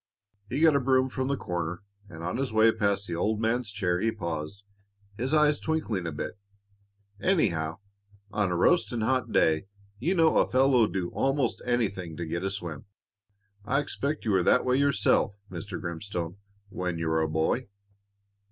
He got a broom from the corner, and on his way past the old man's chair he paused, his eyes twinkling a bit. "Anyhow, on a roasting hot day you know a fellow'll do 'most anything to get a swim. I expect you were that way yourself, Mr. Grimstone, when you were a boy."